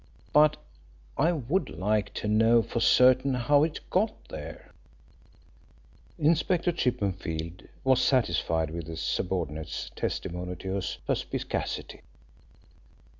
But I would like to know for certain how it got there." Inspector Chippenfield was satisfied with his subordinate's testimony to his perspicacity.